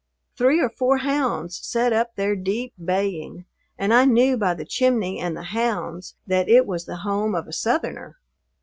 Three or four hounds set up their deep baying, and I knew by the chimney and the hounds that it was the home of a Southerner.